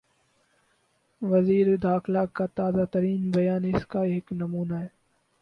وزیر داخلہ کا تازہ ترین بیان اس کا ایک نمونہ ہے۔